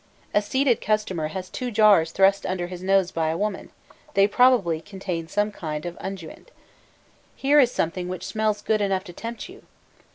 A seated customer has two jars thrust under his nose by a woman they probably contain some kind of unguent: "Here is something which smells good enough to tempt you."